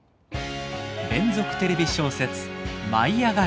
連続テレビ小説「舞いあがれ！」。